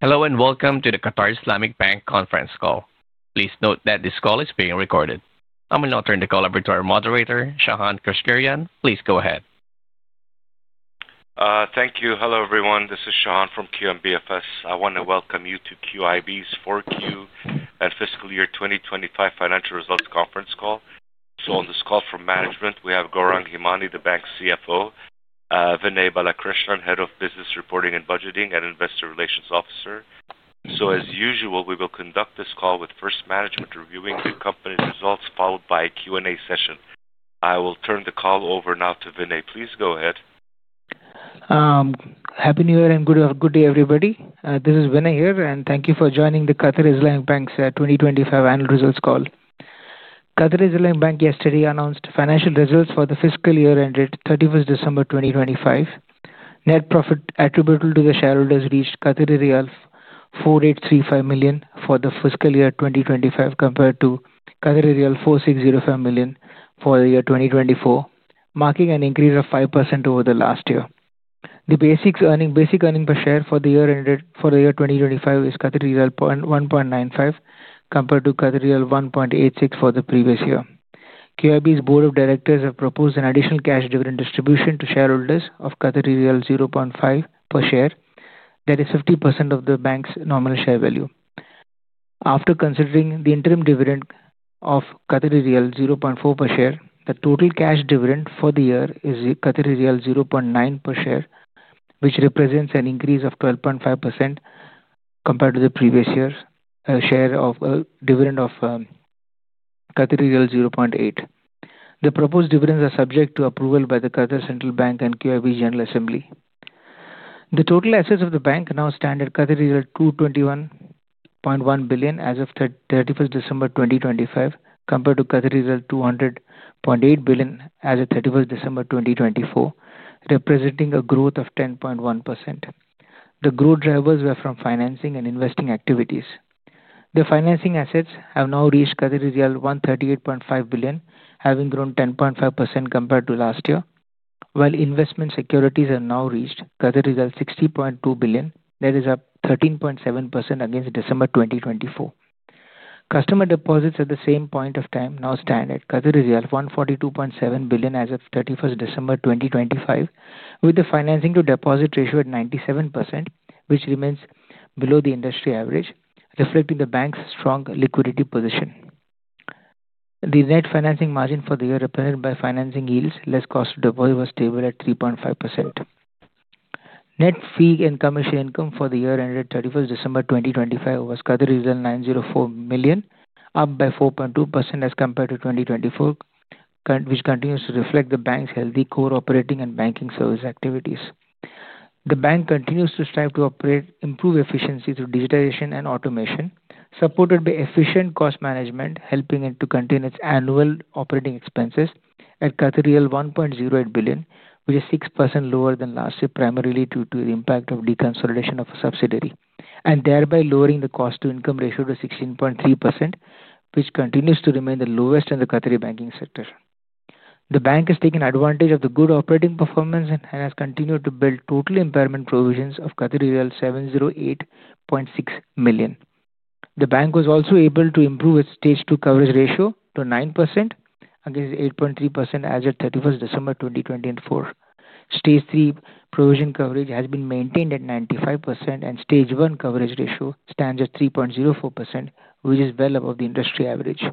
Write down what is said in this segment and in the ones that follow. Hello and welcome to the Qatar Islamic Bank conference call. Please note that this call is being recorded. I'm your host and moderator, Shahan Keushgerian. Please go ahead. Thank you. Hello everyone, this is Shahan from QNBFS. I want to welcome you to QIB's 4Q and fiscal year 2025 financial results conference call. So on this call from management, we have Gourang Himani, the bank's CFO, Vinay Balakrishnan, head of business reporting and budgeting and investor relations officer. So as usual, we will conduct this call with first management reviewing the company's results, followed by a Q&A session. I will turn the call over now to Vinay. Please go ahead. Happy New Year and good, good day everybody. This is Vinay here, and thank you for joining the Qatar Islamic Bank's 2025 annual results call. Qatar Islamic Bank yesterday announced financial results for the fiscal year ended 31st December 2025. Net profit attributable to the shareholders reached 4,835 million for the fiscal year 2025, compared to 4,605 million for the year 2024, marking an increase of 5% over the last year. The basic earning per share for the year ended for the year 2025 is 1.95, compared to 1.86 for the previous year. QIB's board of directors have proposed an additional cash dividend distribution to shareholders of 0.5 per share. That is 50% of the bank's normal share value. After considering the interim dividend of 0.4 per share, the total cash dividend for the year is 0.9 per share, which represents an increase of 12.5% compared to the previous year, dividend of QAR 0.8. The proposed dividends are subject to approval by the Qatar Central Bank and QIB General Assembly. The total assets of the bank now stand at 221.1 billion as of 31st December 2025, compared to 200.8 billion as of 31st December 2024, representing a growth of 10.1%. The growth drivers were from financing and investing activities. The financing assets have now reached 138.5 billion, having grown 10.5% compared to last year, while investment securities have now reached 60.2 billion. That is up 13.7% against December 2024. Customer deposits at the same point of time now stand at 142.7 billion as of 31st December 2025, with the financing-to-deposit ratio at 97%, which remains below the industry average, reflecting the bank's strong liquidity position. The net financing margin for the year represented by financing yields less cost of deposits was stable at 3.5%. Net fee and commission income for the year ended 31st December 2025 was QAR 904 million, up by 4.2% as compared to 2024, which continues to reflect the bank's healthy core operating and banking service activities. The bank continues to strive to operate, improve efficiency through digitization and automation, supported by efficient cost management, helping it to contain its annual operating expenses at 1.08 billion, which is 6% lower than last year, primarily due to the impact of deconsolidation of a subsidiary, and thereby lowering the cost-to-income ratio to 16.3%, which continues to remain the lowest in the Qatari banking sector. The bank has taken advantage of the good operating performance and has continued to build total impairment provisions of 708.6 million. The bank was also able to improve its Stage 2 coverage ratio to 9% against 8.3% as of 31st December 2024. Stage 3 provision coverage has been maintained at 95%, and Stage 1 coverage ratio stands at 3.04%, which is well above the industry average.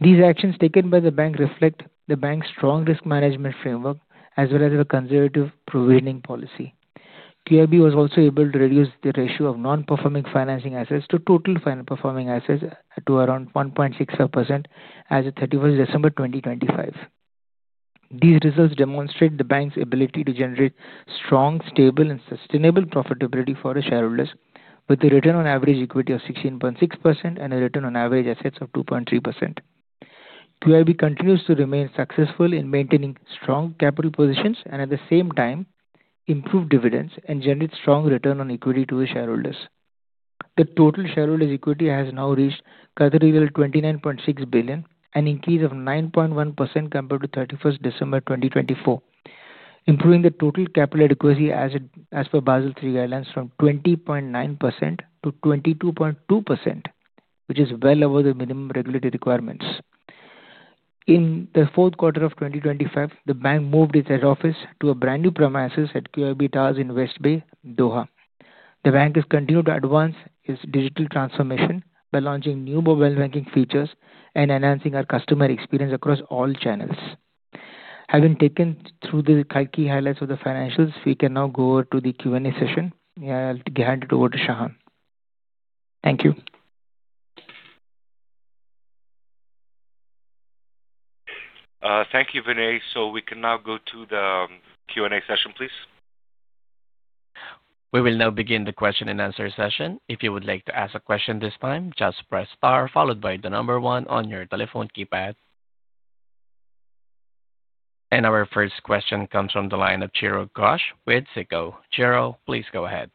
These actions taken by the bank reflect the bank's strong risk management framework as well as a conservative provisioning policy. QIB was also able to reduce the ratio of non-performing financing assets to total financing performing assets to around 1.65% as of 31st December 2025. These results demonstrate the bank's ability to generate strong, stable, and sustainable profitability for its shareholders, with a return on average equity of 16.6% and a return on average assets of 2.3%. QIB continues to remain successful in maintaining strong capital positions and at the same time improve dividends and generate strong return on equity to its shareholders. The total shareholders' equity has now reached 29.6 billion, an increase of 9.1% compared to 31st December 2024, improving the total capital adequacy as per Basel III guidelines from 20.9% to 22.2%, which is well above the minimum regulatory requirements. In the fourth quarter of 2025, the bank moved its head office to a brand new premises at QIB Tower in West Bay, Doha. The bank has continued to advance its digital transformation by launching new mobile banking features and enhancing our customer experience across all channels. Having taken through the key highlights of the financials, we can now go over to the Q&A session. I'll hand it over to Shahan. Thank you. Thank you, Vinay. So we can now go to the Q&A session, please. We will now begin the question and answer session. If you would like to ask a question this time, just press star followed by the number one on your telephone keypad, and our first question comes from the line of Chiro Ghosh with SICO. Chiro, please go ahead.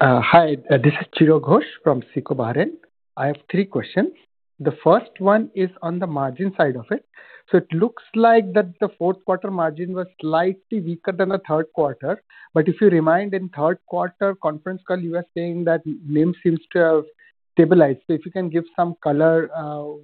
Hi. This is Chiro Ghosh from SICO Bahrain. I have three questions. The first one is on the margin side of it. So it looks like that the fourth quarter margin was slightly weaker than the third quarter. But if you remind in third quarter conference call, you were saying that NIM seems to have stabilized. So if you can give some color,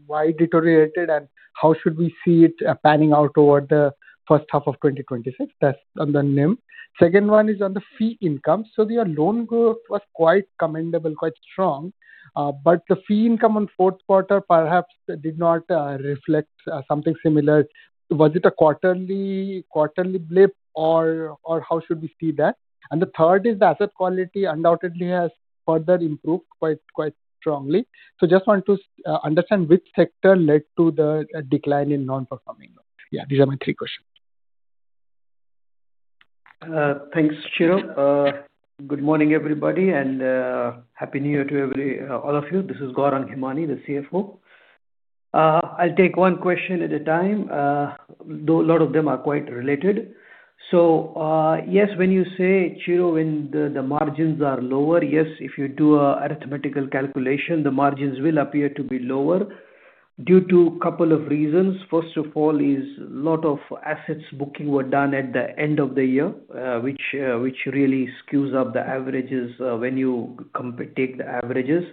why it deteriorated and how should we see it panning out over the first half of 2026, that's on the NIM. Second one is on the fee income. So the loan growth was quite commendable, quite strong. But the fee income on fourth quarter perhaps did not reflect something similar. Was it a quarterly blip or how should we see that? And the third is the asset quality undoubtedly has further improved quite strongly. I just want to understand which sector led to the decline in non-performing financing. Yeah, these are my three questions. Thanks, Chiro. Good morning everybody and happy New Year to everyone, all of you. This is Gourang Himani, the CFO. I'll take one question at a time, though a lot of them are quite related. So, yes, when you say, Chiro, when the margins are lower, yes, if you do an arithmetical calculation, the margins will appear to be lower due to a couple of reasons. First of all, a lot of assets booking were done at the end of the year, which really skews up the averages when you compute the averages.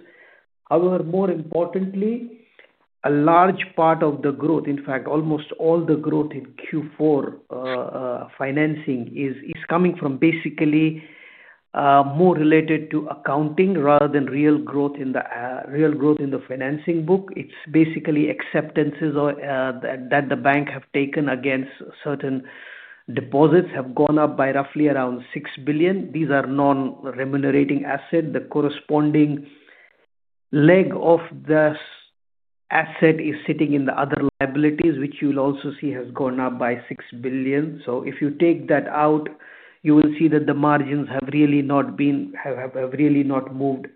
However, more importantly, a large part of the growth, in fact, almost all the growth in Q4 financing is coming from basically more related to accounting rather than real growth in the financing book. It's basically acceptances or that the bank have taken against certain deposits have gone up by roughly around 6 billion. These are non-remunerating assets. The corresponding leg of the asset is sitting in the other liabilities, which you will also see has gone up by 6 billion. So if you take that out, you will see that the margins have really not been, have really not moved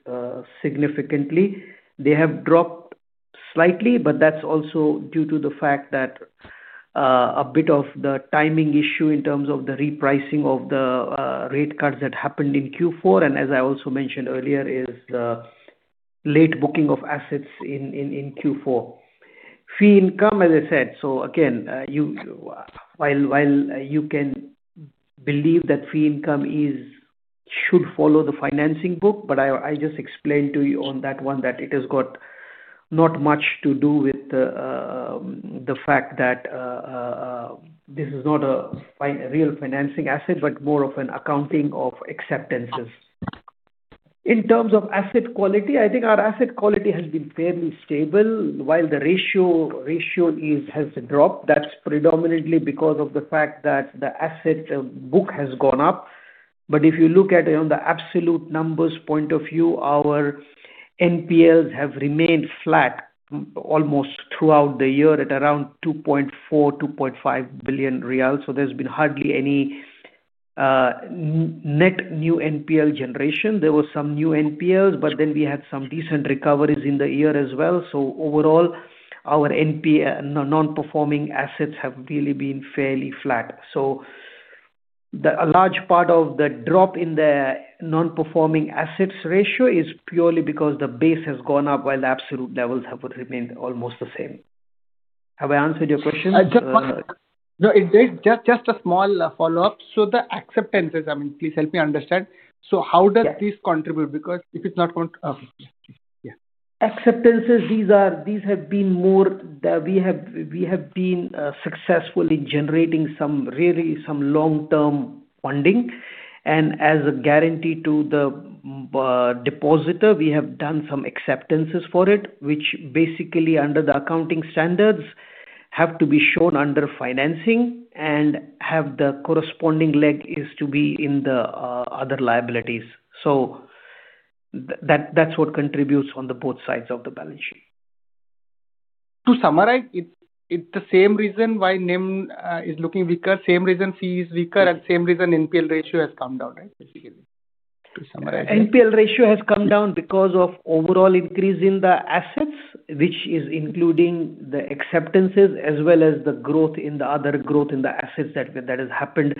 significantly. They have dropped slightly, but that's also due to the fact that a bit of the timing issue in terms of the repricing of the rate cards that happened in Q4, and as I also mentioned earlier, is the late booking of assets in Q4. Fee income, as I said, so again, while you can believe that fee income should follow the financing book, but I just explained to you on that one that it has got not much to do with the fact that this is not a non-remunerating financing asset, but more of an accounting of acceptances. In terms of asset quality, I think our asset quality has been fairly stable, while the ratio has dropped. That's predominantly because of the fact that the asset book has gone up. But if you look at, you know, the absolute numbers point of view, our NPLs have remained flat almost throughout the year at around 2.4 billion-2.5 billion riyals. So there's been hardly any net new NPL generation. There were some new NPLs, but then we had some decent recoveries in the year as well. So overall, our NPF, non-performing financing have really been fairly flat. So a large part of the drop in the non-performing financing ratio is purely because the base has gone up while the absolute levels have remained almost the same. Have I answered your question? Just one question. No, it just a small follow-up. So the acceptances, I mean, please help me understand. So how does this contribute? Because if it's not cont... yeah. Acceptances. These have been more the way we have been successful in generating some really long-term funding. And as a guarantee to the depositor, we have done some acceptances for it, which basically under the accounting standards have to be shown under financing and have the corresponding leg is to be in the other liabilities. So that's what contributes on both sides of the balance sheet. To summarize, it's the same reason why NIM is looking weaker, same reason fee is weaker, and same reason NPL ratio has come down, right? Basically. To summarize. NPF ratio has come down because of overall increase in the assets, which is including the acceptances as well as the growth in the other growth in the assets that has happened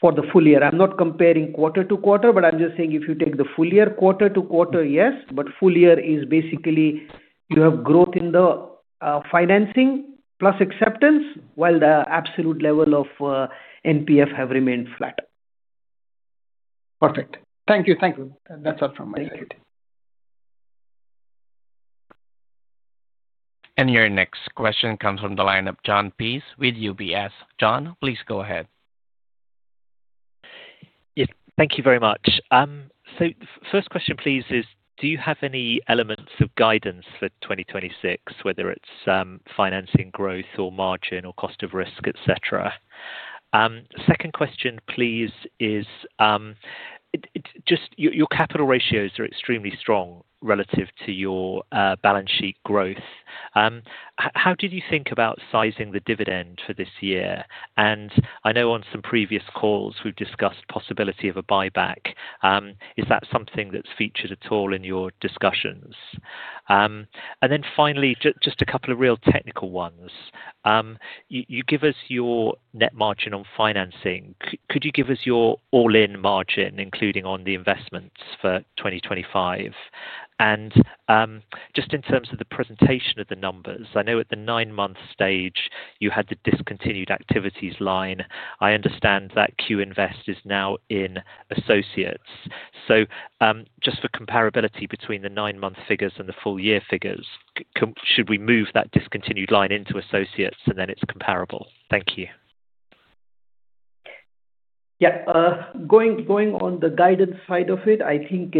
for the full year. I'm not comparing quarter to quarter, but I'm just saying if you take the full year quarter to quarter, yes, but full year is basically you have growth in the financing plus acceptance, while the absolute level of NPF have remained flat. Perfect. Thank you. Thank you. That's all from my side. Thank you. Your next question comes from the line of Jon Peace with UBS. John, please go ahead. Yes, thank you very much. So first question, please, is do you have any elements of guidance for 2026, whether it's financing growth or margin or cost of risk, etc.? Second question, please, is it just your capital ratios are extremely strong relative to your balance sheet growth. How did you think about sizing the dividend for this year? And I know on some previous calls we've discussed possibility of a buyback. Is that something that's featured at all in your discussions? And then finally, just a couple of real technical ones. You give us your net margin on financing. Could you give us your all-in margin, including on the investments for 2025? And just in terms of the presentation of the numbers, I know at the nine-month stage you had the discontinued activities line. I understand that QInvest is now in associates. So, just for comparability between the nine-month figures and the full-year figures, could we move that discontinued line into associates and then it's comparable? Thank you. Yeah. Going on the guidance side of it, I think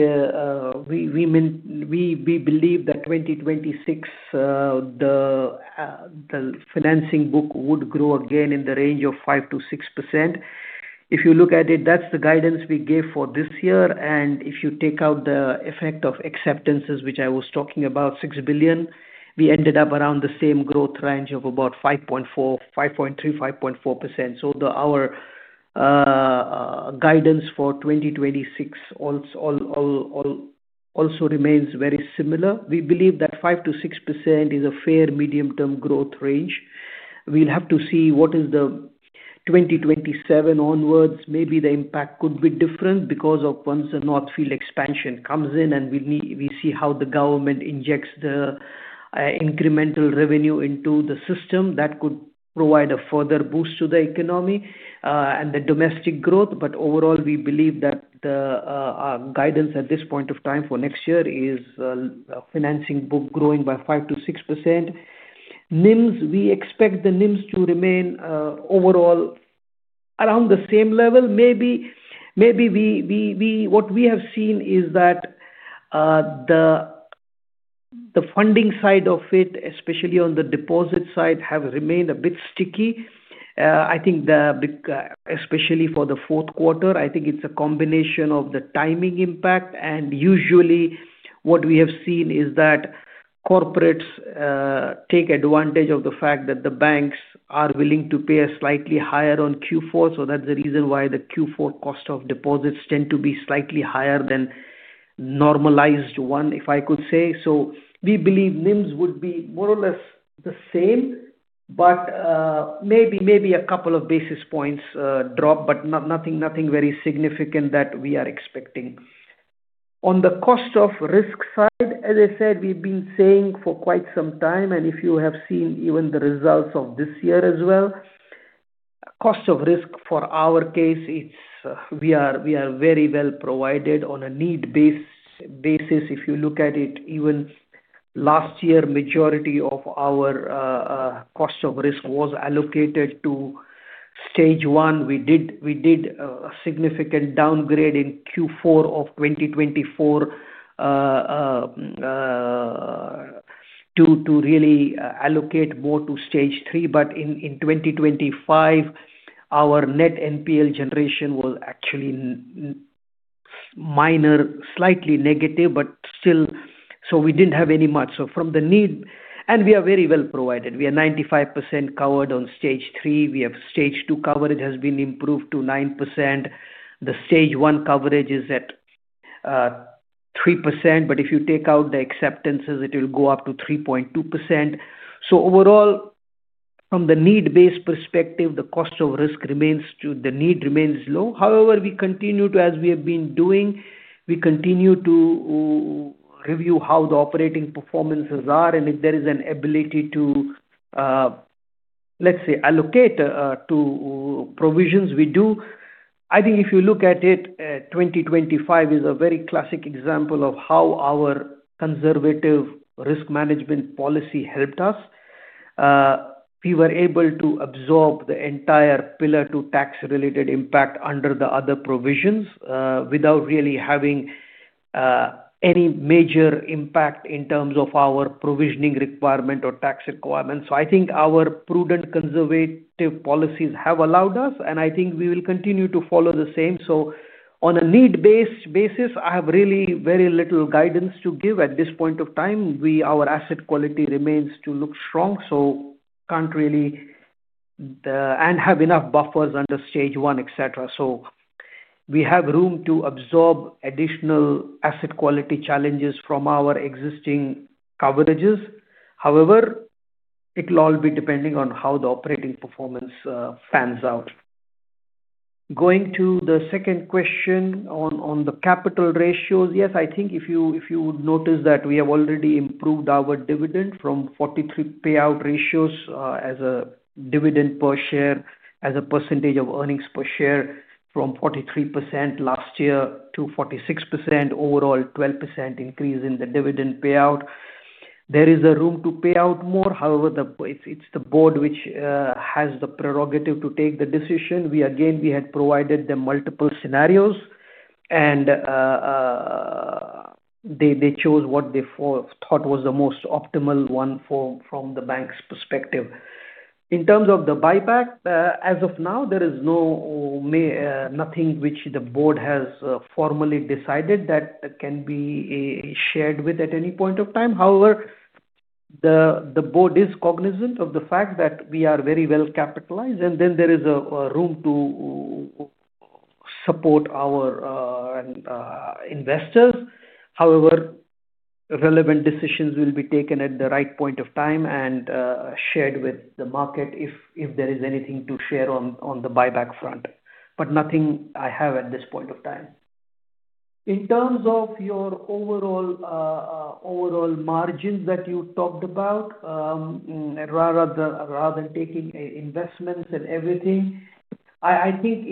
we meant we believe that in 2026 the financing book would grow again in the range of 5%-6%. If you look at it, that's the guidance we gave for this year. And if you take out the effect of acceptances, which I was talking about, 6 billion, we ended up around the same growth range of about 5.4, 5.3, 5.4%. So our guidance for 2026 also remains very similar. We believe that 5%-6% is a fair medium-term growth range. We'll have to see what is the 2027 onwards. Maybe the impact could be different because once the North Field Expansion comes in and we see how the government injects the incremental revenue into the system that could provide a further boost to the economy and the domestic growth. But overall, we believe that the guidance at this point of time for next year is financing book growing by 5%-6%. NIMs, we expect the NIMs to remain overall around the same level. Maybe what we have seen is that the funding side of it, especially on the deposit side, have remained a bit sticky. I think the big, especially for the fourth quarter, I think it's a combination of the timing impact. And usually what we have seen is that corporates take advantage of the fact that the banks are willing to pay a slightly higher on Q4. So that's the reason why the Q4 cost of deposits tend to be slightly higher than normalized one, if I could say. So we believe NIMs would be more or less the same, but maybe a couple of basis points drop, but nothing very significant that we are expecting. On the cost of risk side, as I said, we've been saying for quite some time, and if you have seen even the results of this year as well, cost of risk for our case, it's we are very well provided on a need-based basis. If you look at it, even last year, majority of our cost of risk was allocated to Stage 1. We did a significant downgrade in Q4 of 2024, to really allocate more to Stage 3. But in 2025, our net NPL generation was actually minor, slightly negative, but still, so we didn't have any much. So from the NPL, and we are very well provisioned. We are 95% covered on Stage 3. We have Stage 2 coverage has been improved to 9%. The Stage 1 coverage is at 3%. But if you take out the acceptances, it will go up to 3.2%. So overall, from the NPL-based perspective, the cost of risk remains low. The NPL remains low. However, we continue to, as we have been doing, review how the operating performances are. If there is an ability to, let's say, allocate to provisions, we do. I think if you look at it, 2025 is a very classic example of how our conservative risk management policy helped us. We were able to absorb the entire Pillar 2 tax-related impact under the other provisions, without really having any major impact in terms of our provisioning requirement or tax requirements. So I think our prudent conservative policies have allowed us, and I think we will continue to follow the same. So on a need-based basis, I have really very little guidance to give at this point of time. Our asset quality remains to look strong. So can't really, and have enough buffers under Stage 1, etc. So we have room to absorb additional asset quality challenges from our existing coverages. However, it'll all be depending on how the operating performance pans out. Going to the second question on the capital ratios, yes, I think if you would notice that we have already improved our dividend from 43 payout ratios, as a dividend per share, as a percentage of earnings per share from 43% last year to 46%, overall 12% increase in the dividend payout. There is a room to pay out more. However, it's the board which has the prerogative to take the decision. We again had provided the multiple scenarios, and they chose what they thought was the most optimal one from the bank's perspective. In terms of the buyback, as of now, there is nothing which the board has formally decided that can be shared with at any point of time. However, the board is cognizant of the fact that we are very well capitalized, and there is a room to support our investors. However, relevant decisions will be taken at the right point of time and shared with the market if there is anything to share on the buyback front. But nothing I have at this point of time. In terms of your overall margins that you talked about, rather than taking investments and everything, I think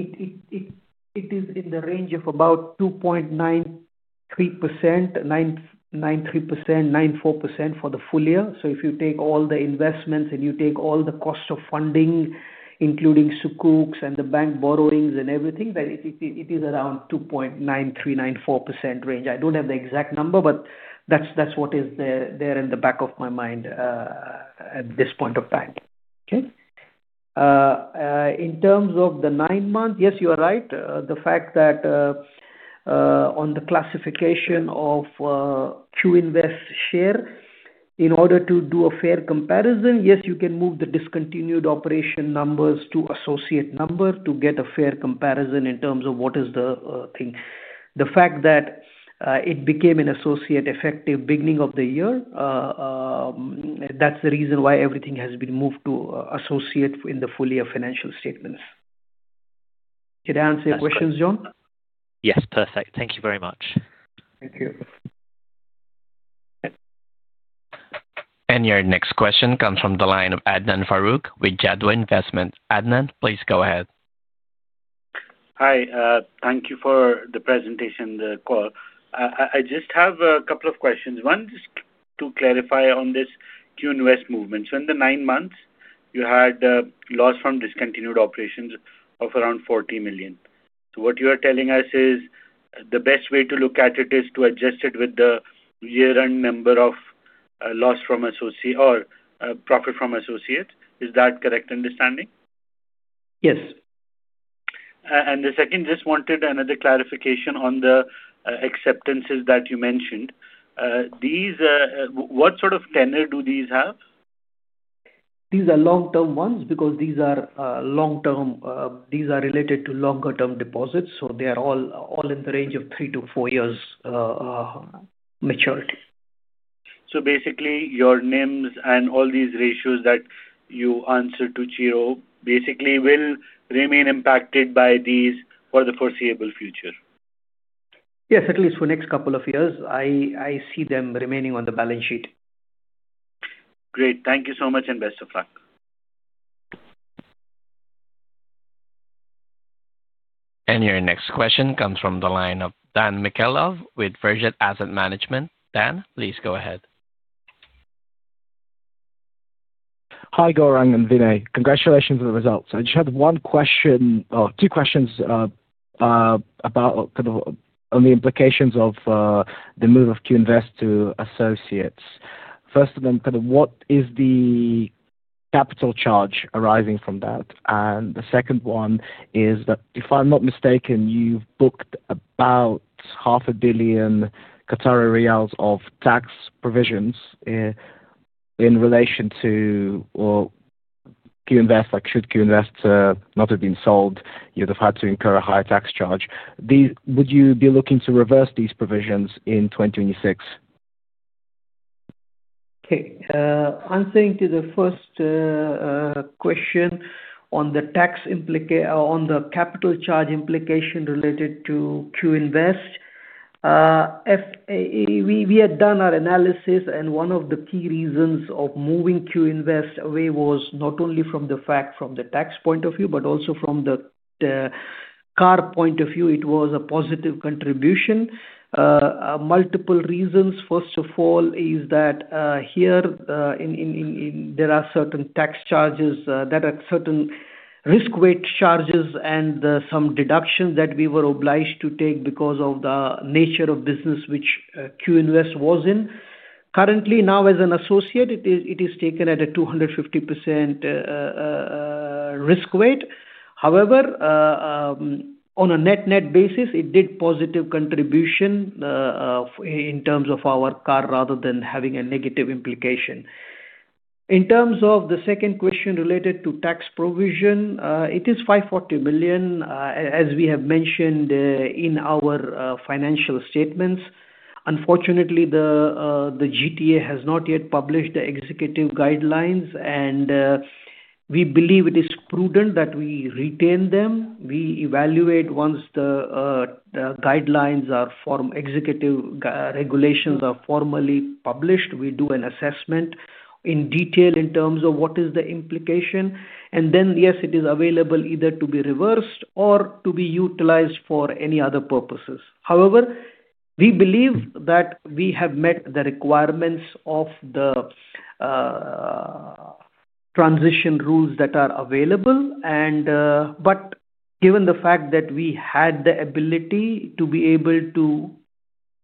it is in the range of about 2.93%-2.94% for the full year. So if you take all the investments and you take all the cost of funding, including Sukuk and the bank borrowings and everything, then it is around 2.93-2.94% range. I don't have the exact number, but that's what is there in the back of my mind, at this point of time. Okay. In terms of the nine months, yes, you are right. The fact that, on the classification of, QInvest share, in order to do a fair comparison, yes, you can move the discontinued operation numbers to associate number to get a fair comparison in terms of what is the, thing. The fact that, it became an associate effective beginning of the year, that's the reason why everything has been moved to associate in the full year financial statements. Did I answer your questions, Jon? Yes. Perfect. Thank you very much. Thank you. Your next question comes from the line of Adnan Farooq with Jadwa Investment. Adnan, please go ahead. Hi. Thank you for the presentation, the call. I just have a couple of questions. One, just to clarify on this QInvest movement. So in the nine months, you had a loss from discontinued operations of around 40 million. So what you are telling us is the best way to look at it is to adjust it with the year-end number of loss from associate or profit from associates. Is that correct understanding? Yes. And the second, just wanted another clarification on the acceptances that you mentioned. These, what sort of tenor do these have? These are long-term ones because these are long-term. These are related to longer-term deposits. So they are all in the range of three to four years maturity. So basically, your NIMs and all these ratios that you answered to Chiro basically will remain impacted by these for the foreseeable future? Yes, at least for the next couple of years, I see them remaining on the balance sheet. Great. Thank you so much and best of luck. And your next question comes from the line of Dan Mikhaylov with Vergent Asset Management. Dan, please go ahead. Hi, Gourang. I'm Vinay. Congratulations on the results. I just had one question, or two questions, about kind of on the implications of the move of QInvest to associates. First of them, kind of what is the capital charge arising from that? And the second one is that if I'm not mistaken, you've booked about 500 million Qatari riyals of tax provisions, in relation to, well, QInvest, like, should QInvest not have been sold, you would have had to incur a high tax charge. These, would you be looking to reverse these provisions in 2026? Okay. Answering to the first question on the tax implication on the capital charge implication related to QInvest, CAR, we had done our analysis, and one of the key reasons of moving QInvest away was not only from the fact from the tax point of view, but also from the CAR point of view. It was a positive contribution. Multiple reasons. First of all is that here there are certain tax charges that are certain risk-weight charges and some deductions that we were obliged to take because of the nature of business which QInvest was in. Currently as an associate, it is taken at a 250% risk weight. However, on a net-net basis, it did positive contribution in terms of our CAR rather than having a negative implication. In terms of the second question related to tax provision, it is 540 million, as we have mentioned, in our financial statements. Unfortunately, the GTA has not yet published the executive guidelines, and we believe it is prudent that we retain them. We evaluate once the formal executive regulations are formally published. We do an assessment in detail in terms of what is the implication. Then, yes, it is available either to be reversed or to be utilized for any other purposes. However, we believe that we have met the requirements of the transition rules that are available. Given the fact that we had the ability to be able to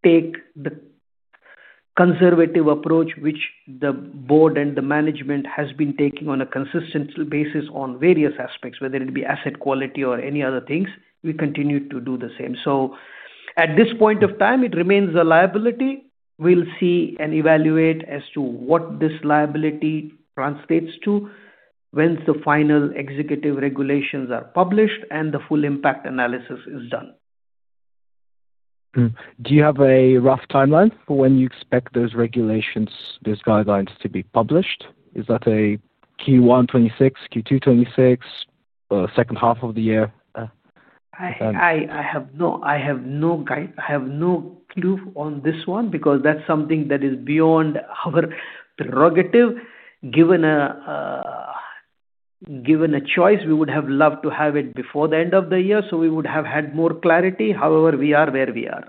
take the conservative approach which the board and the management has been taking on a consistent basis on various aspects, whether it be asset quality or any other things, we continue to do the same. At this point of time, it remains a liability. We'll see and evaluate as to what this liability translates to when the final Executive Regulations are published and the full impact analysis is done. Do you have a rough timeline for when you expect those regulations, those guidelines to be published? Is that a Q1 2026, Q2 2026, second half of the year? I have no guide. I have no clue on this one because that's something that is beyond our prerogative. Given a choice, we would have loved to have it before the end of the year, so we would have had more clarity. However, we are where we are.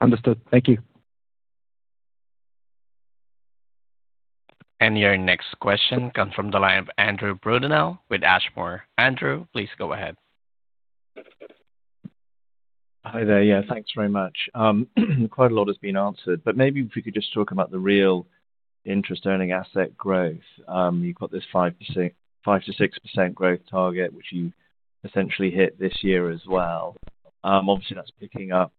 Understood. Thank you. And your next question comes from the line of Andrew Brudenell with Ashmore. Andrew, please go ahead. Hi there. Yeah, thanks very much. Quite a lot has been answered, but maybe if we could just talk about the real interest-earning asset growth. You've got this 5%-6% growth target, which you essentially hit this year as well. Obviously, that's picking up,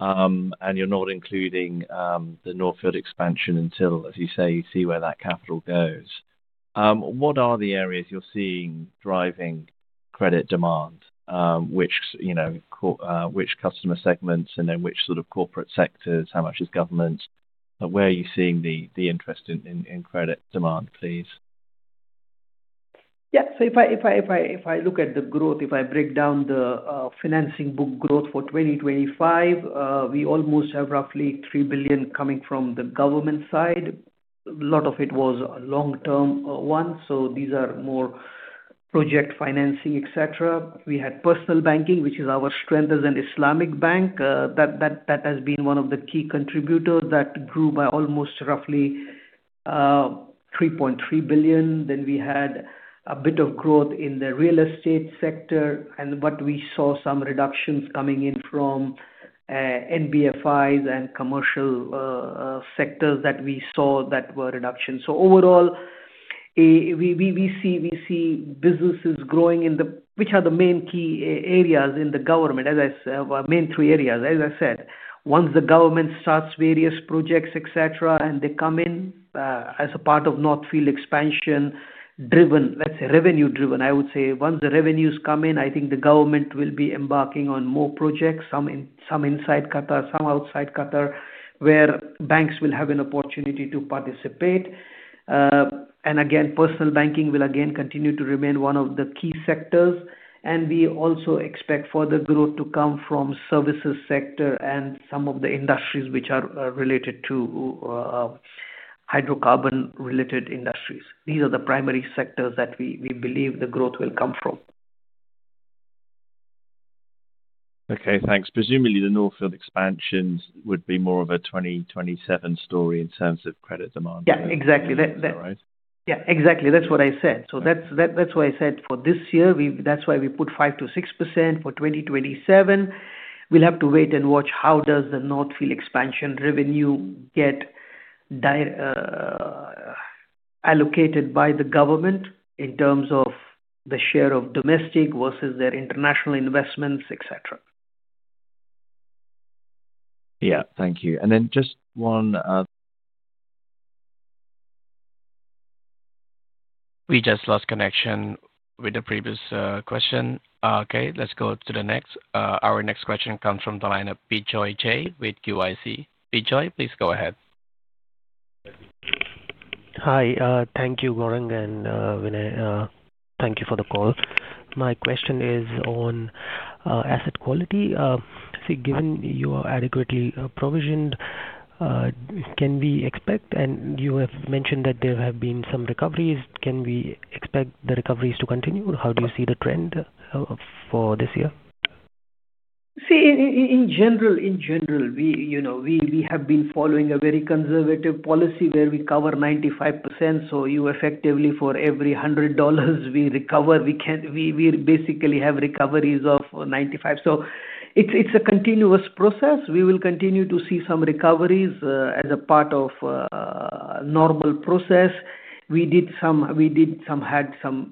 and you're not including the North Field expansion until, as you say, you see where that capital goes. What are the areas you're seeing driving credit demand, which, you know, core, which customer segments and then which sort of corporate sectors, how much is government, where are you seeing the interest in credit demand, please? Yeah. So if I look at the growth, if I break down the financing book growth for 2025, we almost have roughly 3 billion coming from the government side. A lot of it was a long-term one. So these are more project financing, etc. We had personal banking, which is our strength as an Islamic bank. That has been one of the key contributors that grew by almost roughly 3.3 billion. Then we had a bit of growth in the real estate sector, and but we saw some reductions coming in from NBFIs and commercial sectors that were reductions. So overall, we see businesses growing in the which are the main key areas in the government, as I said, main three areas, as I said. Once the government starts various projects, etc., and they come in, as a part of North Field Expansion-driven, let's say revenue-driven, I would say, once the revenues come in, I think the government will be embarking on more projects, some in, some inside Qatar, some outside Qatar, where banks will have an opportunity to participate, and again, personal banking will again continue to remain one of the key sectors. And we also expect further growth to come from the services sector and some of the industries which are related to hydrocarbon-related industries. These are the primary sectors that we believe the growth will come from. Okay. Thanks. Presumably, the North Field Expansions would be more of a 2027 story in terms of credit demand. Yeah, exactly. That, that. Is that right? Yeah, exactly. That's what I said. So that's what I said for this year. That's why we put 5%-6% for 2027. We'll have to wait and watch how the North Field Expansion revenue gets distributed, allocated by the government in terms of the share of domestic versus their international investments, etc. Yeah. Thank you. And then just one. We just lost connection with the previous question. Okay. Let's go to the next. Our next question comes from the line of Bijoy Joy with QIC. Bijoy, please go ahead. Hi. Thank you, Gourang and Vinay. Thank you for the call. My question is on asset quality. See, given you are adequately provisioned, can we expect, and you have mentioned that there have been some recoveries, can we expect the recoveries to continue? How do you see the trend for this year? See, in general, you know, we have been following a very conservative policy where we cover 95%. So you effectively, for every $100 we recover, we basically have recoveries of 95%. So it's a continuous process. We will continue to see some recoveries, as a part of normal process. We had some, I think 2024,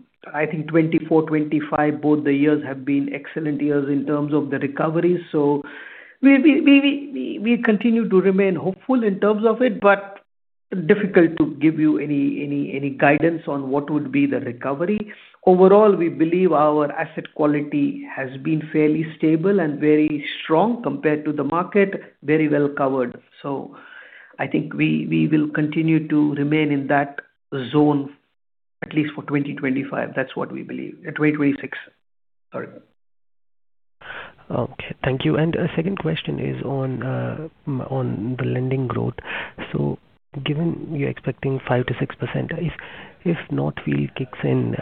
2025, both the years have been excellent years in terms of the recoveries. So we continue to remain hopeful in terms of it, but difficult to give you any guidance on what would be the recovery. Overall, we believe our asset quality has been fairly stable and very strong compared to the market, very well covered. So I think we will continue to remain in that zone at least for 2025. That's what we believe. 2026. Sorry. Okay. Thank you. And a second question is on the lending growth. So given you're expecting 5%-6%, if North Field kicks in,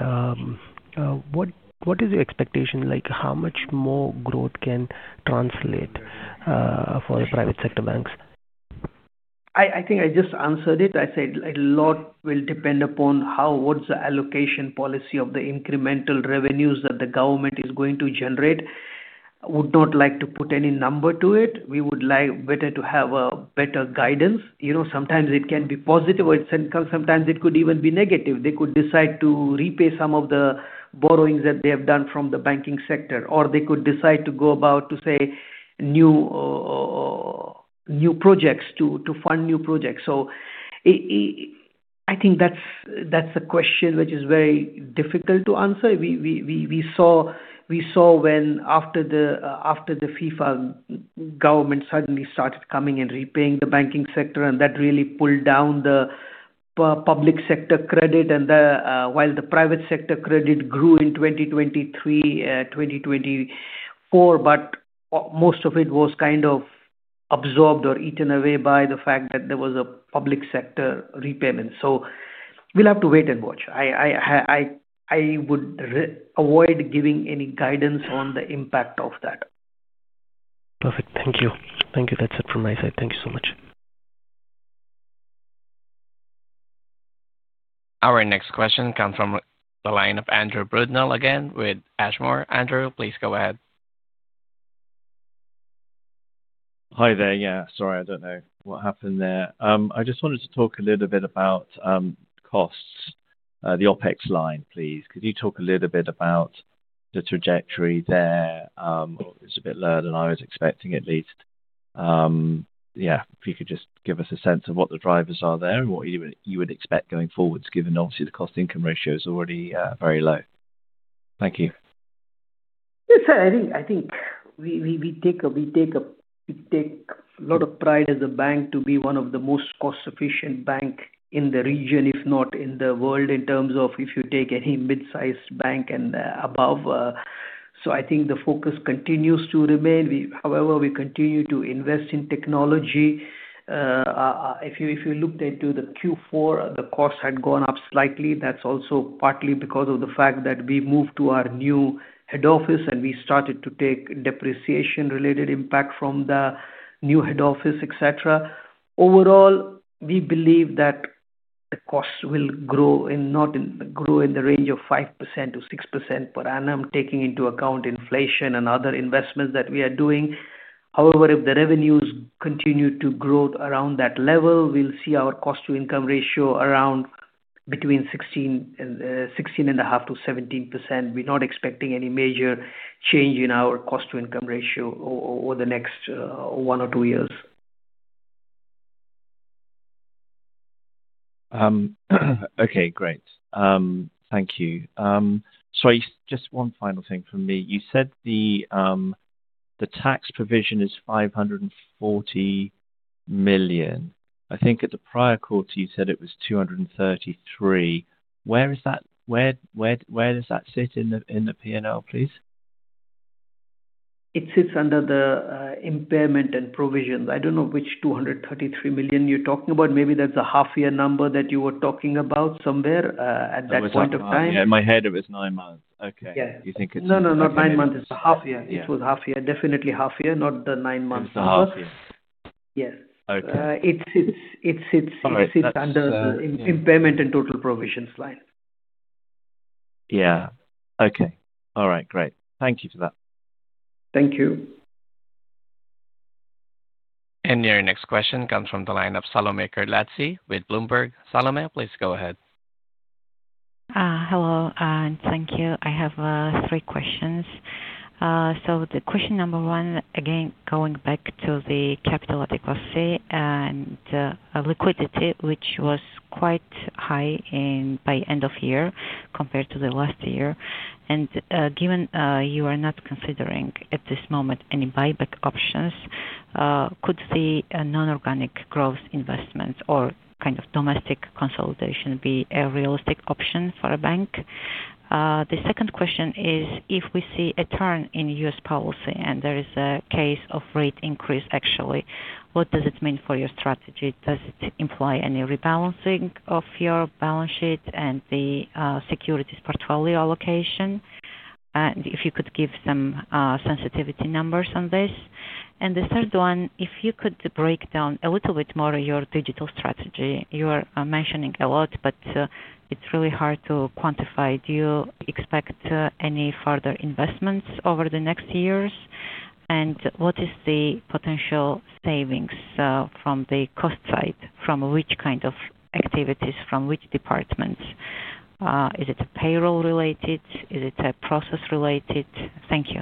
what is your expectation? Like, how much more growth can translate for the private sector banks? I think I just answered it. I said a lot will depend upon how, what's the allocation policy of the incremental revenues that the government is going to generate. Would not like to put any number to it. We would like better to have a better guidance. You know, sometimes it can be positive, or sometimes it could even be negative. They could decide to repay some of the borrowings that they have done from the banking sector, or they could decide to go about to say new projects to fund new projects. So it, I think that's a question which is very difficult to answer. We saw when after the, after the FIFA, the government suddenly started coming and repaying the banking sector, and that really pulled down the public sector credit. While the private sector credit grew in 2023, 2024, but most of it was kind of absorbed or eaten away by the fact that there was a public sector repayment. We'll have to wait and watch. I would rather avoid giving any guidance on the impact of that. Perfect. Thank you. Thank you. That's it from my side. Thank you so much. Our next question comes from the line of Andrew Brudenell again with Ashmore. Andrew, please go ahead. Hi there. Yeah. Sorry, I don't know what happened there. I just wanted to talk a little bit about costs, the OpEx line, please. Could you talk a little bit about the trajectory there? It's a bit lower than I was expecting at least. Yeah, if you could just give us a sense of what the drivers are there and what you would expect going forward, given obviously the cost-income ratio is already very low. Thank you. Yes, sir. I think we take a lot of pride as a bank to be one of the most cost-efficient banks in the region, if not in the world, in terms of if you take any mid-sized bank and above, so I think the focus continues to remain. We, however, continue to invest in technology. If you looked into the Q4, the cost had gone up slightly. That's also partly because of the fact that we moved to our new head office and we started to take depreciation-related impact from the new head office, etc. Overall, we believe that the costs will grow in the range of 5%-6% per annum, taking into account inflation and other investments that we are doing. However, if the revenues continue to grow around that level, we'll see our cost-to-income ratio around between 16% and 16.5% to 17%. We're not expecting any major change in our cost-to-income ratio over the next one or two years. Okay. Great. Thank you. Sorry, just one final thing from me. You said the tax provision is 540 million. I think at the prior quarter, you said it was 233 million. Where is that? Where does that sit in the P&L, please? It sits under the impairment and provisions. I don't know which 233 million you're talking about. Maybe that's a half-year number that you were talking about somewhere, at that point of time. In my head, in my head, it was nine months. Okay. Yeah. You think it's nine months? No, no, not nine months. It's a half-year. It was half-year. Definitely half-year, not the nine months plus. It's a half-year. Yes. Okay. It sits under the impairment and total provisions line. Yeah. Okay. All right. Great. Thank you for that. Thank you. Your next question comes from the line of Salome Kurtanidze with Bloomberg. Salome, please go ahead. Hello, and thank you. I have three questions. So the question number one, again, going back to the capital adequacy and liquidity, which was quite high by end of year compared to the last year. And given you are not considering at this moment any buyback options, could the non-organic growth investments or kind of domestic consolidation be a realistic option for a bank? The second question is, if we see a turn in U.S. policy and there is a case of rate increase, actually, what does it mean for your strategy? Does it imply any rebalancing of your balance sheet and the securities portfolio allocation? And if you could give some sensitivity numbers on this. And the third one, if you could break down a little bit more your digital strategy. You are mentioning a lot, but it's really hard to quantify. Do you expect any further investments over the next years? And what is the potential savings from the cost side, from which kind of activities, from which departments? Is it payroll-related? Is it process-related? Thank you.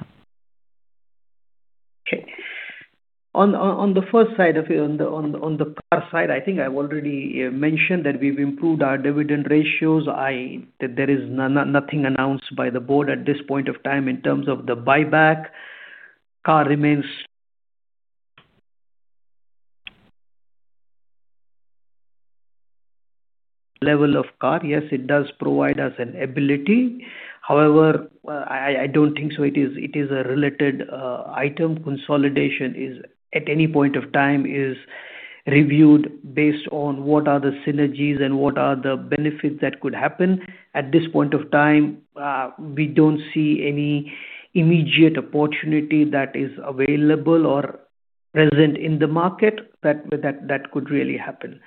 Okay. On the first side of it, on the CAR side, I think I've already mentioned that we've improved our dividend ratios. There is nothing announced by the board at this point of time in terms of the buyback. CAR remains level of CAR. Yes, it does provide us an ability. However, I don't think so. It is a related item. Consolidation is, at any point of time, reviewed based on what are the synergies and what are the benefits that could happen. At this point of time, we don't see any immediate opportunity that is available or present in the market that could really happen.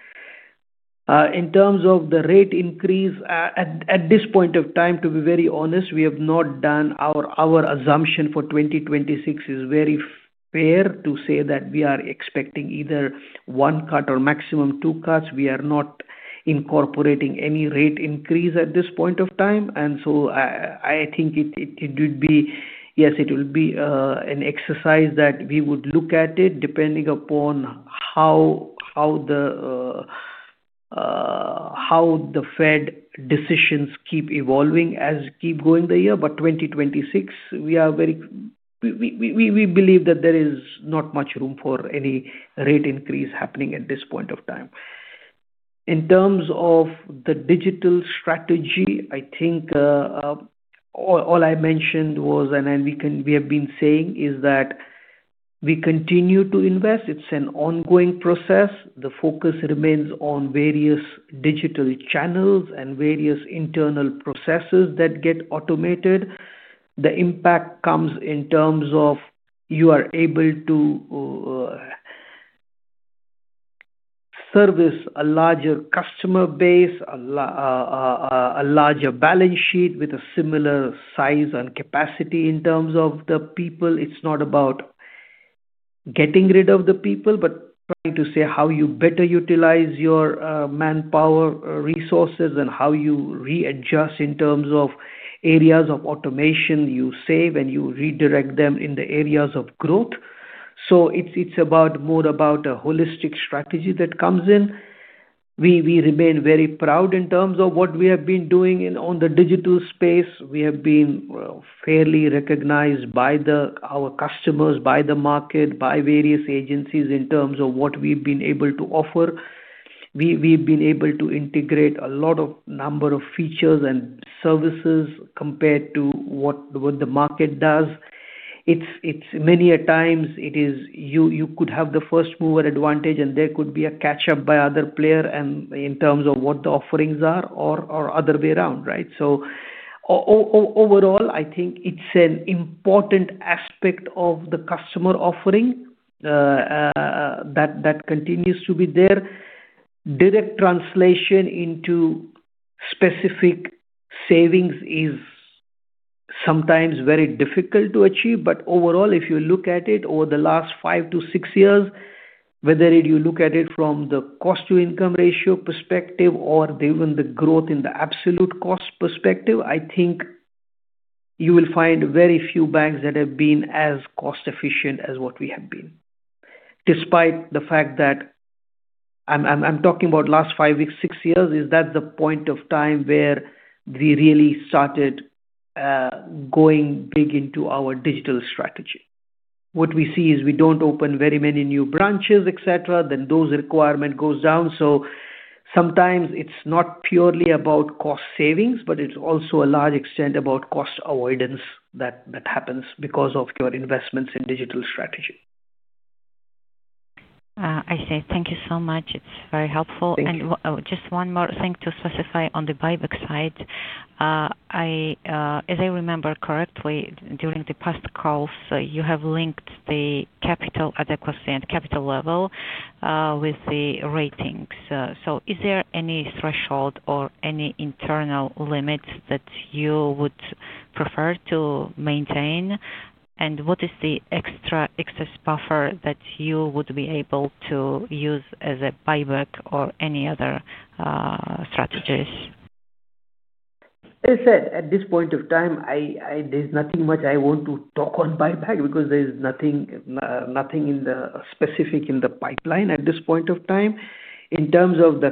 In terms of the rate increase, at this point of time, to be very honest, we have not done our assumption for 2026. It is very fair to say that we are expecting either one cut or maximum two cuts. We are not incorporating any rate increase at this point of time. And so, I think it would be yes it will be an exercise that we would look at it depending upon how the Fed decisions keep evolving as keep going the year. But 2026, we believe that there is not much room for any rate increase happening at this point of time. In terms of the digital strategy, I think all I mentioned was and we have been saying is that we continue to invest. It is an ongoing process. The focus remains on various digital channels and various internal processes that get automated. The impact comes in terms of you are able to service a larger customer base, à la a larger balance sheet with a similar size and capacity in terms of the people. It's not about getting rid of the people, but trying to say how you better utilize your manpower resources and how you readjust in terms of areas of automation you save and you redirect them in the areas of growth. So it's about more about a holistic strategy that comes in. We remain very proud in terms of what we have been doing in on the digital space. We have been fairly recognized by our customers, by the market, by various agencies in terms of what we've been able to offer. We've been able to integrate a lot of number of features and services compared to what the market does. It's many a times it is you could have the first mover advantage and there could be a catch-up by other player and in terms of what the offerings are or other way around, right? So, overall, I think it's an important aspect of the customer offering, that continues to be there. Direct translation into specific savings is sometimes very difficult to achieve. But overall, if you look at it over the last 5-6 years, whether you look at it from the cost-to-income ratio perspective or even the growth in the absolute cost perspective, I think you will find very few banks that have been as cost-efficient as what we have been. Despite the fact that I'm talking about last five weeks, six years, is that the point of time where we really started going big into our digital strategy? What we see is we don't open very many new branches, etc., then those requirement goes down. So sometimes it's not purely about cost savings, but it's also a large extent about cost avoidance that happens because of your investments in digital strategy. I see. Thank you so much. It's very helpful. And just one more thing to specify on the buyback side. I, as I remember correctly, during the past calls, you have linked the capital adequacy and capital level, with the ratings. So is there any threshold or any internal limits that you would prefer to maintain? And what is the extra excess buffer that you would be able to use as a buyback or any other strategies? As I said, at this point of time, there's nothing much I want to talk on buyback because there's nothing specific in the pipeline at this point of time. In terms of the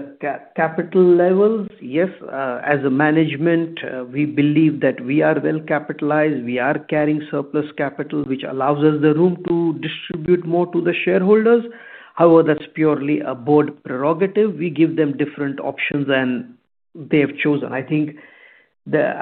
capital levels, yes, as management, we believe that we are well capitalized. We are carrying surplus capital, which allows us the room to distribute more to the shareholders. However, that's purely a board prerogative. We give them different options and they have chosen. I think the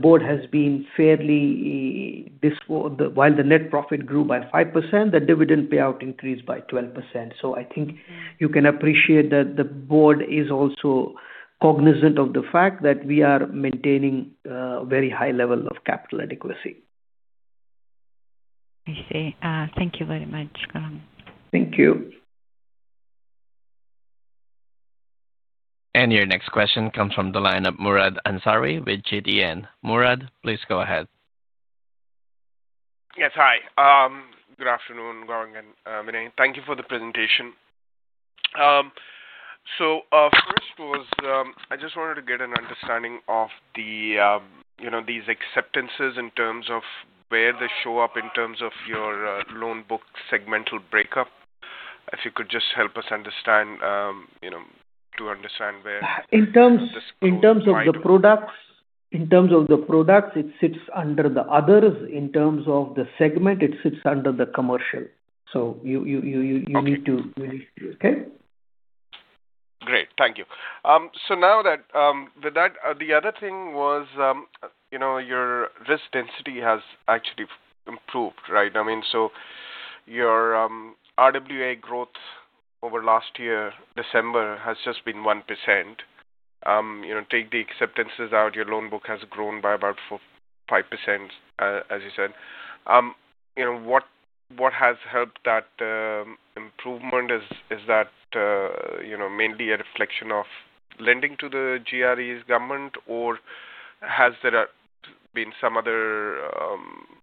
board has been fairly generous. This while the net profit grew by 5%, the dividend payout increased by 12%. So I think you can appreciate that the board is also cognizant of the fact that we are maintaining very high level of capital adequacy. I see. Thank you very much. Thank you. And your next question comes from the line of Murad Ansari with EFG Hermes. Murad, please go ahead. Yes. Hi. Good afternoon, Gourang and Vinay. Thank you for the presentation. So, first was, I just wanted to get an understanding of the, you know, these acceptances in terms of where they show up in terms of your, loan book segmental breakup. If you could just help us understand, you know, to understand where. In terms of the products, it sits under the others. In terms of the segment, it sits under the commercial. So you need to, okay? Great. Thank you. So now that, with that, the other thing was, you know, your risk density has actually improved, right? I mean, so your RWA growth over last year, December, has just been 1%. You know, take the acceptances out, your loan book has grown by about 4-5%, as you said. You know, what has helped that improvement is that, you know, mainly a reflection of lending to the GREs government, or has there been some other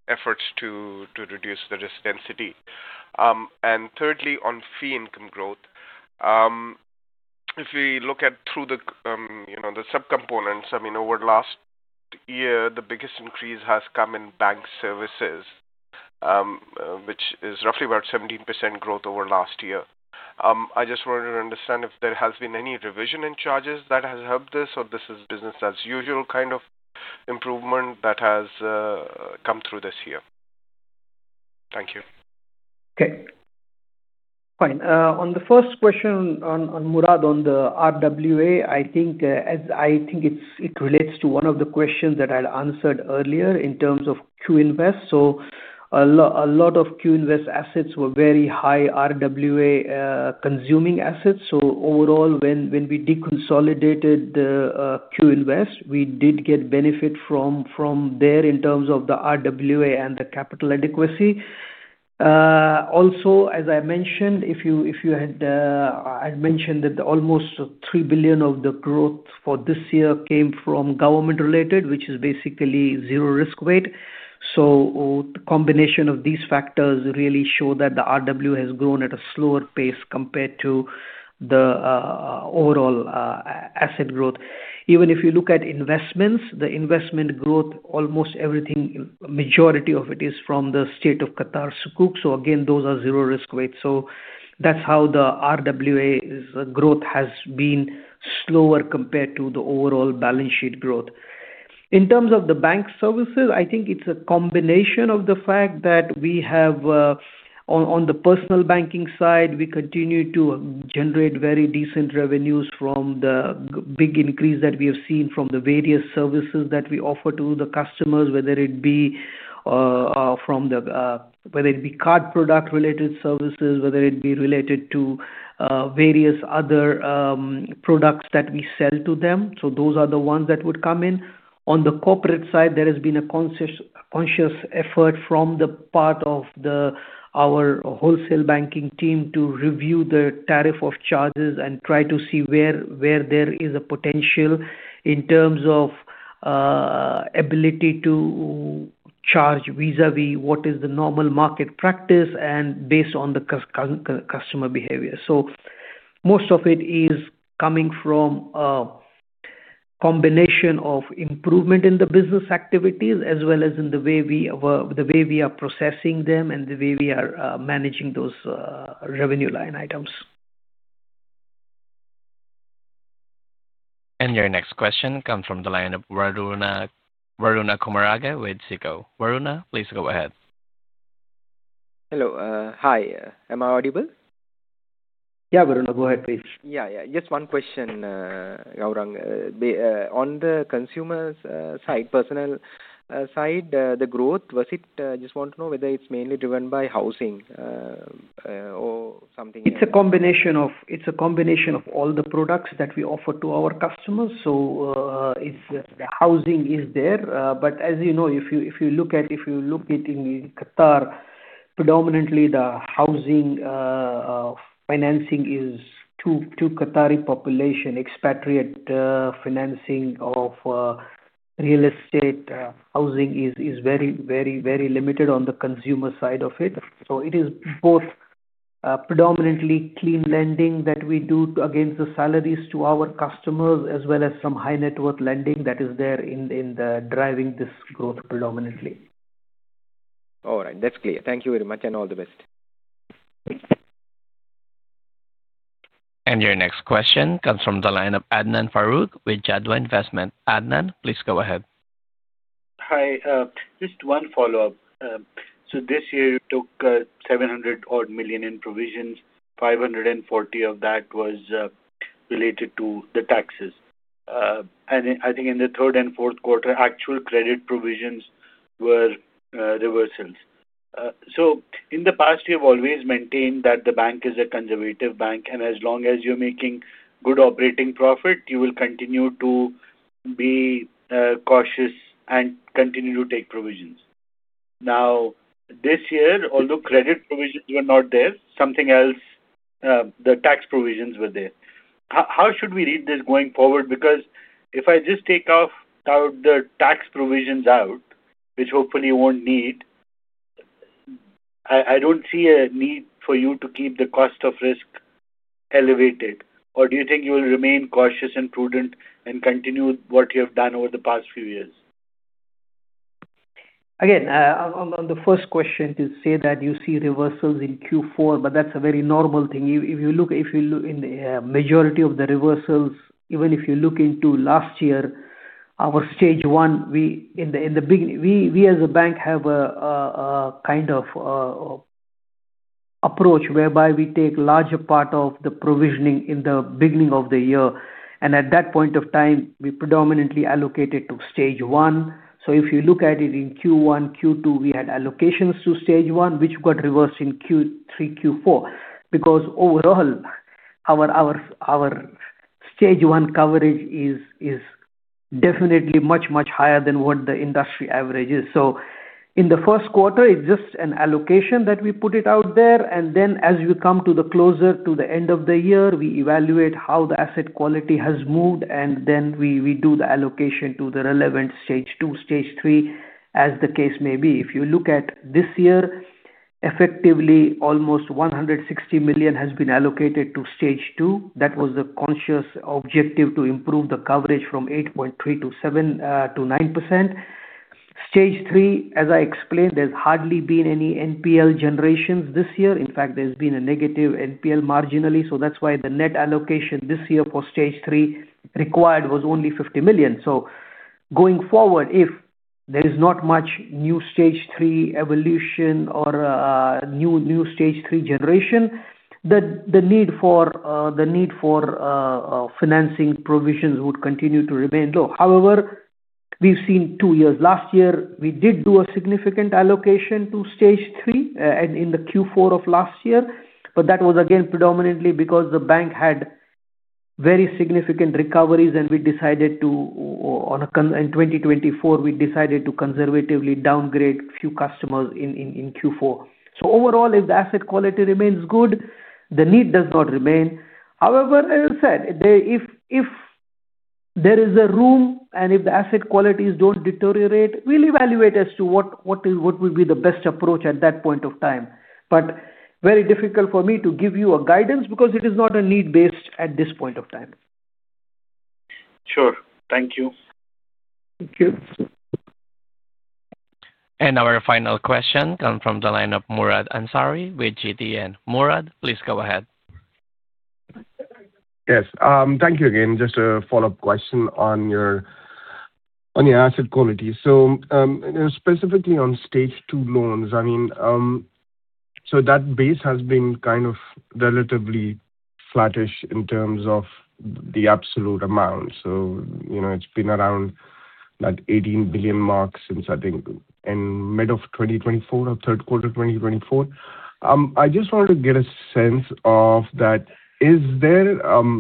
efforts to reduce the risk density? And thirdly, on fee income growth, if we look at through the, you know, the subcomponents, I mean, over the last year, the biggest increase has come in bank services, which is roughly about 17% growth over last year. I just wanted to understand if there has been any revision in charges that has helped this, or this is business as usual kind of improvement that has come through this year. Thank you. Okay. Fine. On the first question on Murad on the RWA, I think, as I think it's, it relates to one of the questions that I answered earlier in terms of QInvest. So a lot, a lot of QInvest assets were very high RWA consuming assets. So overall, when we deconsolidated QInvest, we did get benefit from there in terms of the RWA and the capital adequacy. Also, as I mentioned, I had mentioned that almost 3 billion of the growth for this year came from government-related, which is basically zero risk weight. So the combination of these factors really show that the RWA has grown at a slower pace compared to the overall asset growth. Even if you look at investments, the investment growth, almost everything, majority of it is from the State of Qatar Sukuk. So again, those are zero risk weights. So that's how the RWA's growth has been slower compared to the overall balance sheet growth. In terms of the bank services, I think it's a combination of the fact that we have, on the personal banking side, we continue to generate very decent revenues from the big increase that we have seen from the various services that we offer to the customers, whether it be card product-related services, whether it be related to various other products that we sell to them. So those are the ones that would come in. On the corporate side, there has been a conscious effort from the part of our wholesale banking team to review the tariff of charges and try to see where there is a potential in terms of ability to charge vis-à-vis what is the normal market practice and based on the customer behavior. So most of it is coming from a combination of improvement in the business activities as well as in the way we are processing them and the way we are managing those revenue line items. Your next question comes from the line of Waruna Kumarage with SICO. Waruna, please go ahead. Hello. Hi. Am I audible? Yeah, Waruna, go ahead, please. Yeah, yeah. Just one question, Gourang, on the consumer side, personal side. The growth, was it just want to know whether it's mainly driven by housing, or something else? It's a combination of all the products that we offer to our customers. So, the housing is there. But as you know, if you look at in Qatar, predominantly the housing financing is to the Qatari population. Expatriate financing of real estate housing is very limited on the consumer side of it. So it is both, predominantly clean lending that we do against the salaries to our customers as well as some high net worth lending that is there in driving this growth predominantly. All right. That's clear. Thank you very much and all the best. Your next question comes from the line of Adnan Farooq with Jadwa Investment. Adnan, please go ahead. Hi. Just one follow-up, so this year we took 700-odd million in provisions. 540 million of that was related to the taxes, and I think in the third and fourth quarter, actual credit provisions were reversals. So in the past, we have always maintained that the bank is a conservative bank, and as long as you're making good operating profit, you will continue to be cautious and continue to take provisions. Now, this year, although credit provisions were not there, something else, the tax provisions were there. How should we read this going forward? Because if I just take out the tax provisions out, which hopefully you won't need, I don't see a need for you to keep the cost of risk elevated. Or do you think you will remain cautious and prudent and continue what you have done over the past few years? Again, on the first question, to say that you see reversals in Q4, but that's a very normal thing. If you look in the majority of the reversals, even if you look into last year, our Stage 1, we in the beginning, we as a bank have a kind of approach whereby we take a larger part of the provisioning in the beginning of the year. And at that point of time, we predominantly allocated to Stage 1. So if you look at it in Q1, Q2, we had allocations to Stage 1, which got reversed in Q3, Q4, because overall, our Stage 1 coverage is definitely much higher than what the industry average is. So in the first quarter, it's just an allocation that we put it out there. Then as we come closer to the end of the year, we evaluate how the asset quality has moved, and then we do the allocation to the relevant Stage 2, Stage 3, as the case may be. If you look at this year, effectively almost 160 million has been allocated to Stage 2. That was the conscious objective to improve the coverage from 8.3 to 7, to 9%. Stage 3, as I explained, there's hardly been any NPF generation this year. In fact, there's been a negative NPF marginally. So that's why the net allocation this year for Stage 3 required was only 50 million. So going forward, if there is not much new Stage 3 evolution or new Stage 3 generation, the need for financing provisions would continue to remain low. However, we've seen two years. Last year, we did do a significant allocation to Stage 3, and in the Q4 of last year, but that was again predominantly because the bank had very significant recoveries, and we decided to in 2024 we decided to conservatively downgrade a few customers in Q4. So overall, if the asset quality remains good, the need does not remain. However, as I said, if there is a room and if the asset qualities don't deteriorate, we'll evaluate as to what would be the best approach at that point of time. But very difficult for me to give you a guidance because it is not a need-based at this point of time. Sure. Thank you. Thank you. And our final question comes from the line of Murad Ansari with EFG Hermes. Murad, please go ahead. Yes. Thank you again. Just a follow-up question on your asset quality. So, you know, specifically on Stage 2 loans, I mean, so that base has been kind of relatively flattish in terms of the absolute amount. So, you know, it's been around that 18 billion mark since, I think, in mid of 2024 or third quarter 2024. I just wanted to get a sense of that. Is there,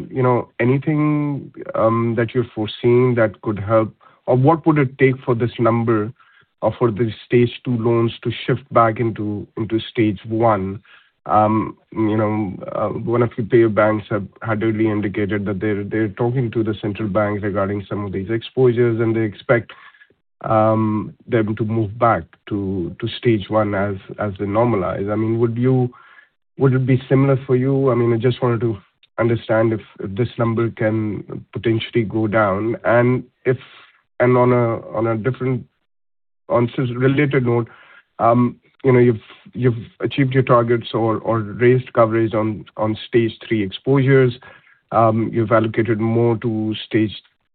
you know, anything that you're foreseeing that could help, or what would it take for this number or for the Stage 2 loans to shift back into Stage 1? You know, one of your peer banks have already indicated that they're talking to the central bank regarding some of these exposures, and they expect them to move back to Stage 1 as they normalize. I mean, would it be similar for you? I mean, I just wanted to understand if this number can potentially go down. And on a related note, you know, you've achieved your targets or raised coverage on Stage 3 exposures. You've allocated more to Stage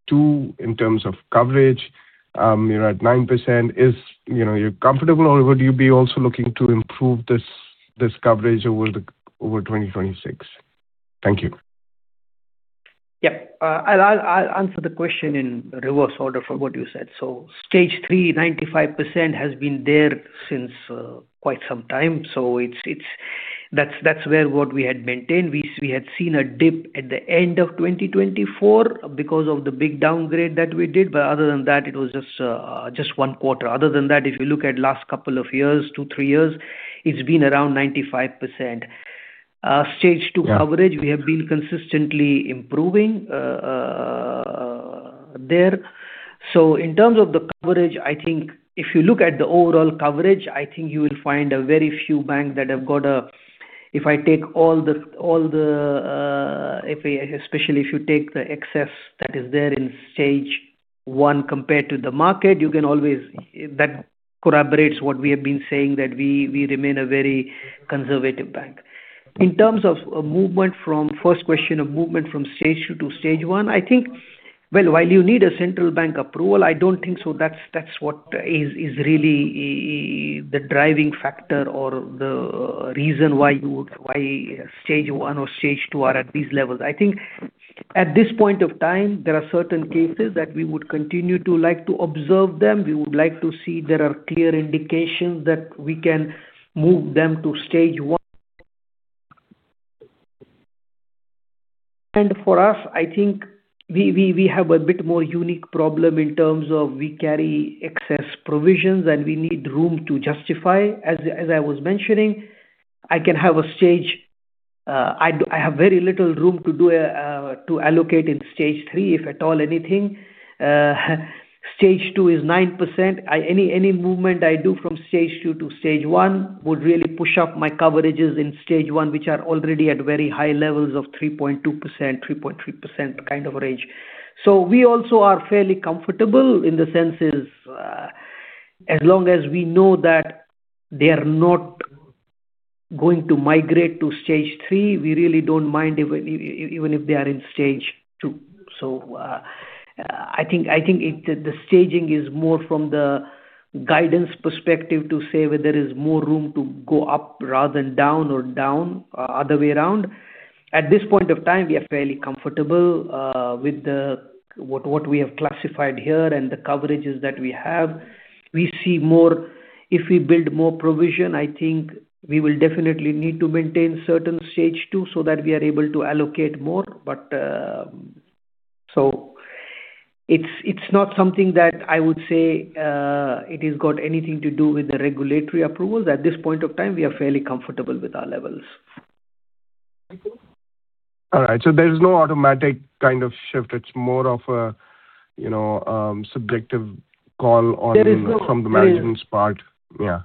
2 in terms of coverage. You're at 9%. Is, you know, you're comfortable, or would you be also looking to improve this coverage over 2026? Thank you. Yeah. I'll answer the question in reverse order from what you said. So Stage 3, 95% has been there since quite some time. So it's that's what we had maintained. We had seen a dip at the end of 2024 because of the big downgrade that we did. But other than that, it was just one quarter. Other than that, if you look at last couple of years, two, three years, it's been around 95%. Stage 2 coverage, we have been consistently improving there. So in terms of the coverage, I think if you look at the overall coverage, I think you will find very few banks that have got a, if I take all the, if especially if you take the excess that is there in Stage 1 compared to the market. You can always, that corroborates what we have been saying that we remain a very conservative bank. In terms of movement from first question of movement from Stage 2 to Stage 1, I think, well, while you need a central bank approval, I don't think so. That's what is really the driving factor or the reason why you would, why Stage 1 or Stage 2 are at these levels. I think at this point of time, there are certain cases that we would continue to like to observe them. We would like to see there are clear indications that we can move them to Stage 1, and for us, I think we have a bit more unique problem in terms of we carry excess provisions and we need room to justify. As I was mentioning, I have very little room to allocate in Stage 3, if at all anything. Stage 2 is 9%. Any movement I do from Stage 2 to Stage 1 would really push up my coverages in Stage 1, which are already at very high levels of 3.2%-3.3% kind of range, so we also are fairly comfortable in the senses, as long as we know that they are not going to migrate to Stage 3, we really don't mind if, even if they are in Stage 2. I think it, the staging is more from the guidance perspective to say whether there is more room to go up rather than down or the other way around. At this point of time, we are fairly comfortable with what we have classified here and the coverages that we have. We see more if we build more provision. I think we will definitely need to maintain certain Stage 2 so that we are able to allocate more. But, so it's not something that I would say it has got anything to do with the regulatory approvals. At this point of time, we are fairly comfortable with our levels. All right. So there's no automatic kind of shift. It's more of a, you know, subjective call on from the management's part. Yeah.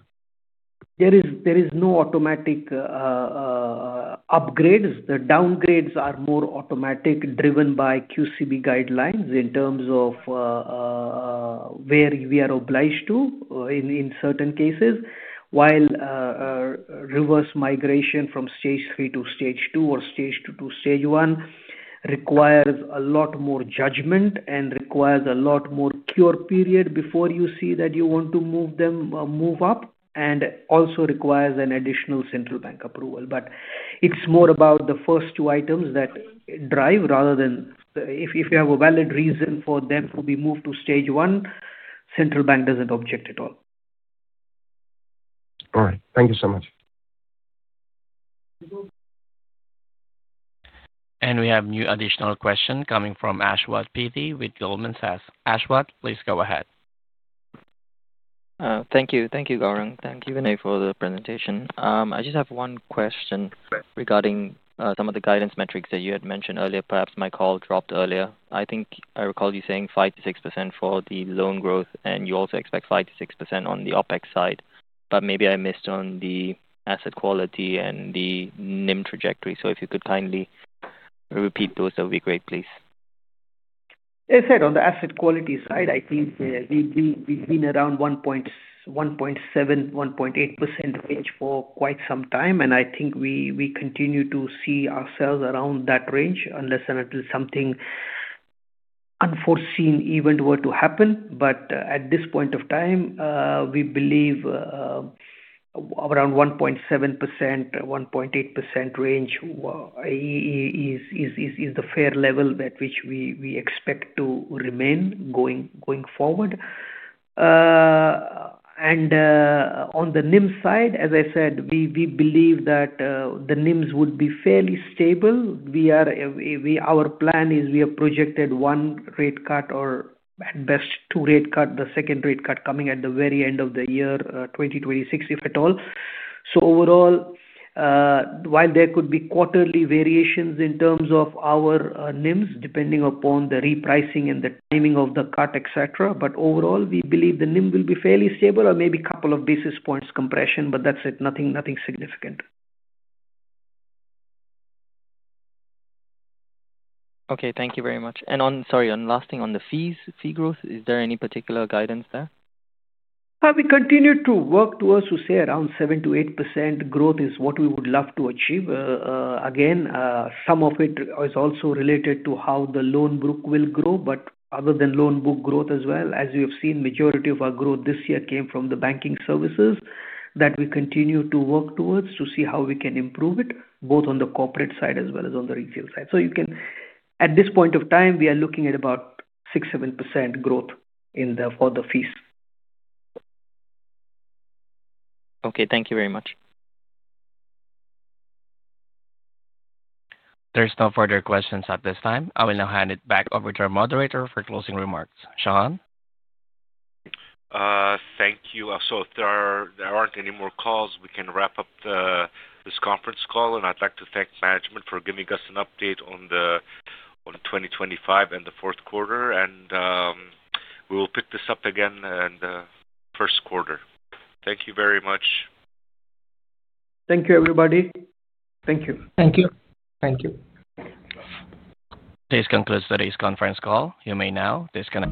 There is no automatic upgrades. The downgrades are more automatic driven by QCB guidelines in terms of where we are obliged to in certain cases. While reverse migration from Stage 3 to Stage 2 or Stage 2 to Stage 1 requires a lot more judgment and requires a lot more cure period before you see that you want to move them up and also requires an additional central bank approval. It is more about the first two items that drive rather than if you have a valid reason for them to be moved to Stage 1; central bank does not object at all. All right. Thank you so much. And we have new additional question coming from Ashwath P T with Goldman Sachs. Ashwath, please go ahead. Thank you. Thank you, Gourang. Thank you, Vinay, for the presentation. I just have one question regarding some of the guidance metrics that you had mentioned earlier. Perhaps my call dropped earlier. I think I recall you saying 5%-6% for the loan growth, and you also expect 5%-6% on the OpEx side. But maybe I missed on the asset quality and the NIM trajectory. So if you could kindly repeat those, that would be great, please. As I said, on the asset quality side, I think we've been around 1.7%-1.8% range for quite some time. I think we continue to see ourselves around that range unless and until something unforeseen event were to happen. But at this point of time, we believe around 1.7%-1.8% range is the fair level at which we expect to remain going forward. On the NIM side, as I said, we believe that the NIMs would be fairly stable. Our plan is we have projected one rate cut or at best two rate cuts, the second rate cut coming at the very end of the year 2026, if at all. So overall, while there could be quarterly variations in terms of our NIMs, depending upon the repricing and the timing of the cut, et cetera, but overall, we believe the NIM will be fairly stable or maybe a couple of basis points compression, but that's it. Nothing, nothing significant. Okay. Thank you very much. And one, sorry, one last thing, on the fees, fee growth, is there any particular guidance there? We continue to work towards to say around 7%-8% growth is what we would love to achieve. Again, some of it is also related to how the loan book will grow, but other than loan book growth as well. As you have seen, majority of our growth this year came from the banking services that we continue to work towards to see how we can improve it, both on the corporate side as well as on the retail side. So you can, at this point of time, we are looking at about 6%-7% growth in the, for the fees. Okay. Thank you very much. There's no further questions at this time. I will now hand it back over to our moderator for closing remarks. Shahan. Thank you. So if there are, there aren't any more calls, we can wrap up the, this conference call. And we will pick this up again in the first quarter. Thank you very much. Thank you, everybody. Thank you. Thank you. Thank you. This concludes today's conference call. You may now disconnect.